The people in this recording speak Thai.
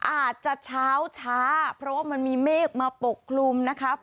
อาจจะเช้าช้าเพราะว่ามันมีเมฆมาปกคลุมนะครับ